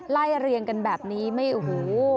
ไล่เรียงกันแบบนี้ไม่โอ้โห